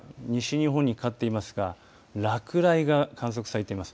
日本にかかっていますが落雷が観測されています。